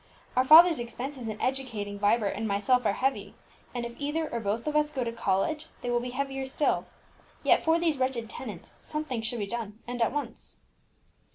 Our father's expenses in educating Vibert and myself are heavy, and if either or both of us go to college they will be heavier still. Yet for these wretched tenants something should be done, and at once."